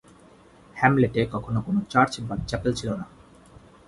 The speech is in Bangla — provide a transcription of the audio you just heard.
হ্যামলেটে কখনও কোন চার্চ বা চ্যাপেল ছিল না।